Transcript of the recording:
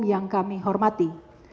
yang kami hormati